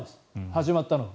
始まったのは。